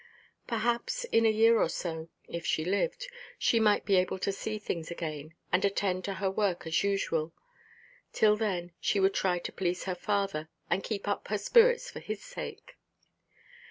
Perhaps in a year or so, if she lived, she might be able to see things again, and attend to her work as usual. Till then she would try to please her father, and keep up her spirits for his sake.